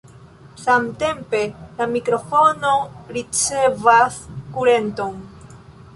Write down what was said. Samtempe la mikrofono ricevas kurenton.